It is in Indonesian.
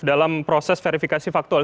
dalam proses verifikasi faktual